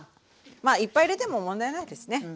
まあいっぱい入れても問題ないですね。